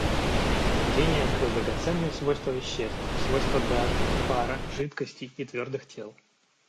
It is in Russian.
Гений открыл драгоценные свойства веществ, свойства газов, пара, жидкостей и твердых тел.